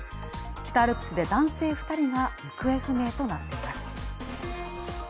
北アルプスで男性２人が行方不明となっています。